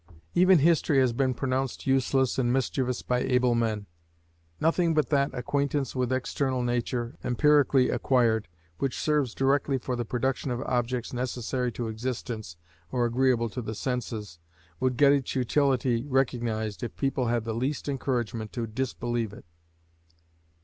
Even history has been pronounced useless and mischievous by able men. Nothing but that acquaintance with external nature, empirically acquired, which serves directly for the production of objects necessary to existence or agreeable to the senses, would get its utility recognized if people had the least encouragement to disbelieve it.